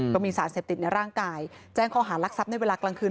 ก็มีสารเสพติดในร่างกายแจ้งข้อหารักทรัพย์ในเวลากลางคืน